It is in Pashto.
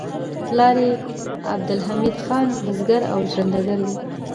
پلار یې عبدالحمید خان بزګر او ژرندګړی و